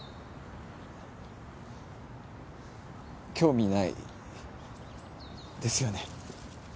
興味ないですよね。